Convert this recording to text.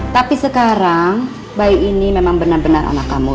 tapi sekarang bayi ini memang benar benar anak kamu